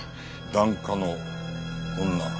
檀家の女。